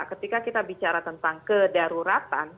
ketika kita bicara tentang kedaruratan